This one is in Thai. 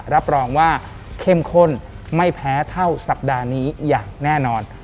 รับรองว่าเข้มข้นไม่แพ้เท่าสัปดาห์นี้อย่างแน่นอน